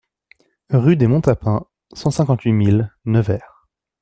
Rue des Montapins, cinquante-huit mille Nevers